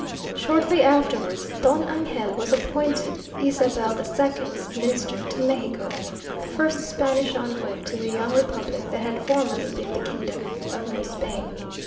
Shortly afterwards Don Angel was appointed Isabel II's Minister to Mexico, the first Spanish Envoy to the young Republic that had formerly been the Kingdom of New Spain.